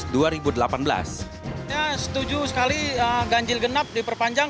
saya setuju sekali ganjil genap diperpanjang